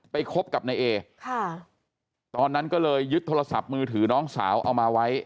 คบกับนายเอค่ะตอนนั้นก็เลยยึดโทรศัพท์มือถือน้องสาวเอามาไว้